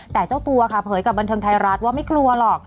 แต่เจ้าตัวค่ะเผยกับบันเทิงไทยรัฐว่าไม่กลัวหรอก